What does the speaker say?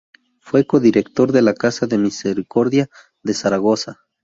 Fue codirector de la Casa de Misericordia de Zaragoza.